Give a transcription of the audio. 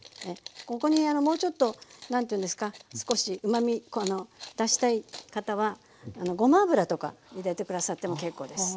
ここにもうちょっと何ていうんですか少しうまみ出したい方はごま油とか入れて下さっても結構です。